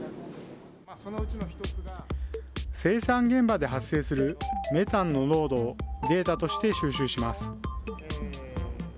生産現場で発生するメタンの濃度をデータとして収集します。